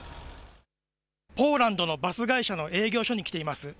ポーランドのバス会社の営業所に来ています。